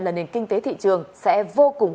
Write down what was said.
là nền kinh tế thị trường sẽ vô cùng